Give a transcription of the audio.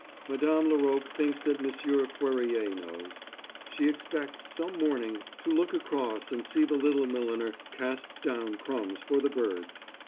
Madame Laroque thinks that Monsieur Cuerrier knows. She expects, some morning, to look across and see the little milliner cast down crumbs for the birds.